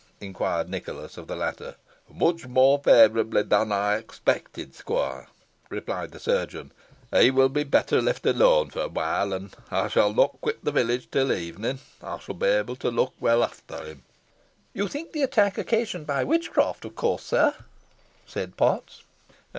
inquired Nicholas of the latter. "Much more favourably than I expected, squire," replied the chirurgeon. "He will be better left alone for awhile, and, as I shall not quit the village till evening, I shall be able to look well after him." "You think the attack occasioned by witchcraft of course, sir?" said Potts.